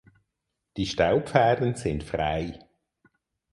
Die Staubfäden sind frei.